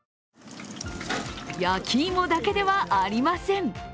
焼き芋だけではありません。